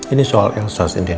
ini soal elsa sih din